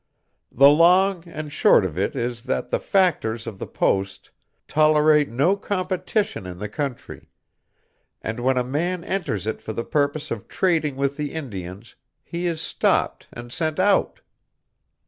The long and short of it is that the Factors of this Post tolerate no competition in the country, and when a man enters it for the purpose of trading with the Indians, he is stopped and sent out."